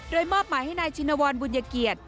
โดยมอบหมายให้นายชินวรบุญเกียรติ